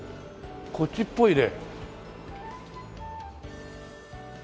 こっちっぽいね。